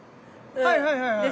はいはいはいはい。